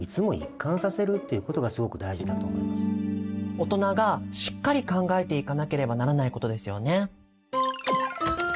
大人がしっかり考えていかなければならないことですよね。